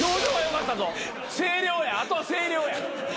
声量やあとは声量や。